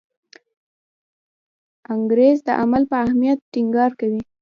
انګریز د عمل په اهمیت ټینګار کوي.